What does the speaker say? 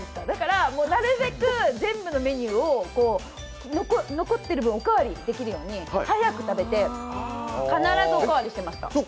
だからなるべく全部のメニューを全部残ってる分お代わりできるように早く食べて必ずお代わりしてました。